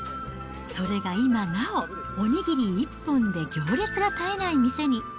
それが今なお、お握り一本で行列が絶えない店に。